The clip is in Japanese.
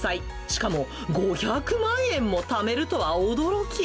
しかも５００万円もためるとは驚き。